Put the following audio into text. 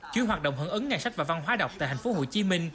chuyên hoạt động hưởng ứng ngành sách và văn hóa đọc tại tp hcm